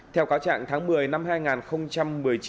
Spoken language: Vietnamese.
theo cáo trạng tháng một mươi năm hai nghìn một mươi chín